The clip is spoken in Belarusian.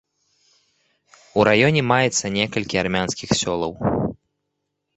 У раёне маецца некалькі армянскіх сёлаў.